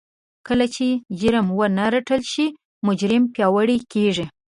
کله چې جرم ونه رټل شي مجرم پياوړی کېږي.